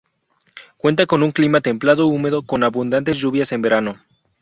Cuenta con un clima templado húmedo con abundantes lluvias en verano.